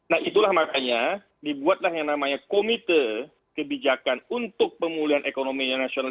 nah itulah makanya dibuatlah yang namanya komite kebijakan untuk pemulihan ekonomi nasional